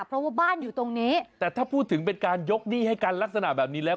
เพราะว่าบ้านอยู่ตรงนี้แต่ถ้าพูดถึงเป็นการยกหนี้ให้กันลักษณะแบบนี้แล้ว